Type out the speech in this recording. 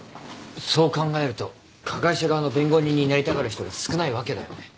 そう考えると加害者側の弁護人になりたがる人が少ないわけだよね。